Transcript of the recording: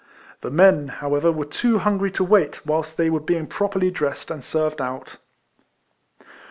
The men, liowever, were too hungry to wait whilst tliey were being properly dressed and served out.